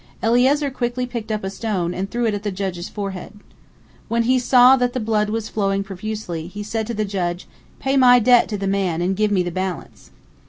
Eliezer quickly picked up a stone and threw it at the judge's forehead. When he saw that the blood was flowing profusely, he said to the judge, "Pay my debt to the man and give me the balance."